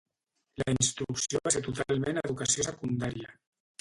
La instrucció va ser totalment educació secundària.